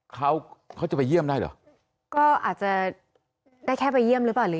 เขาเขาจะไปเยี่ยมได้เหรอก็อาจจะได้แค่ไปเยี่ยมหรือเปล่าหรือ